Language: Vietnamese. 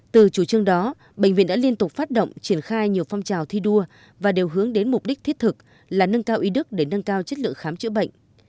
từ chủ trương đó bệnh viện đã liên tục phát động triển khai nhiều phong trào thi đua và đều hướng đến mục đích thiết thực là nâng cao ý đức để nâng cao chất lượng khám chữa bệnh